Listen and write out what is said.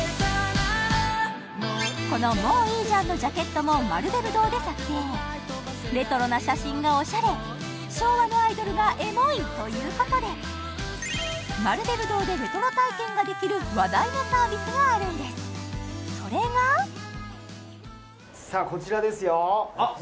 この「もういいじゃん」のジャケットもマルベル堂で撮影レトロな写真がオシャレ昭和のアイドルがエモい！ということでマルベル堂でレトロ体験ができる話題のサービスがあるんですそれがさあこちらですよあっ